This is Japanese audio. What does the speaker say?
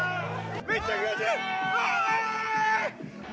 めっちゃ気持ちいい！